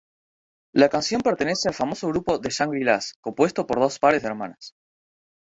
La canción pertenece al famoso grupo The Shangri-Las, compuesto por dos pares de hermanas.